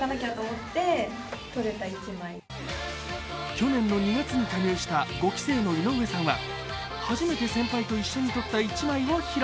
去年の２月に加入した５期生の井上さんは初めて先輩と一緒に撮った一枚を披露。